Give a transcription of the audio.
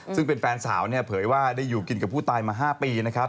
ซึ่งเป็นแฟนสาวเนี่ยเผยว่าได้อยู่กินกับผู้ตายมา๕ปีนะครับ